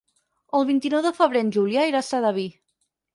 El vint-i-nou de febrer en Julià irà a Sedaví.